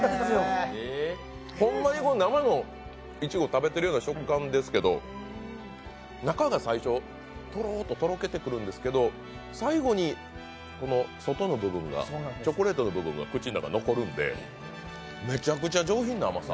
ほんまに生のいちご食べてるような食感ですけど中が最初、とろっととろけてくるんですけど最後に外の部分が、チョコレートの部分が口の中に残るんでめちゃくちゃ上品な甘さ。